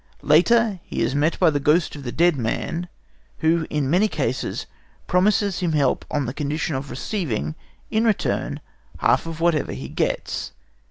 "Later he is met by the ghost of the dead man, who in many cases promises him help on condition of receiving, in return, half of whatever he gets.